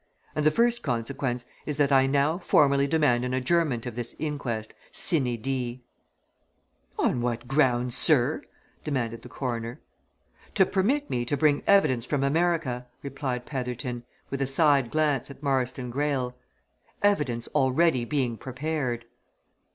"And the first consequence is that I now formally demand an adjournment of this inquest, sine die." "On what grounds, sir?" demanded the Coroner. "To permit me to bring evidence from America," replied Petherton, with a side glance at Marston Greyle. "Evidence already being prepared."